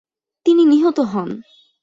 তিনি নিহত হন।